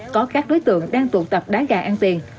có các đối tượng đang tụ tập đá gà ăn tiền